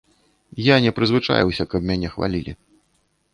Я не прызвычаіўся, каб мяне хвалілі.